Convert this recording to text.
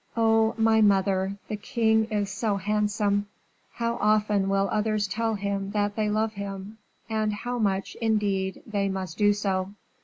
Oh, my mother! the king is so handsome! how often will others tell him that they love him, and how much, indeed, they must do so!"